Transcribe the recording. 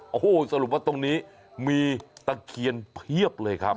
โอ้โหสรุปว่าตรงนี้มีตะเคียนเพียบเลยครับ